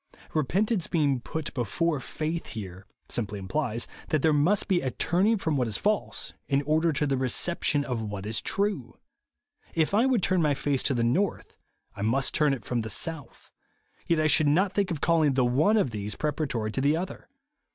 Kepentance being put before faith here, simply implies, that there must be a turning from what is false in order to the reception of what is true. If I v/ould turn my face to the north, I m.ust turn it from the south ; yet I should not think of calling the one of these pre paratory to the other.